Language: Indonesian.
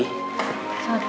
aku mau mandi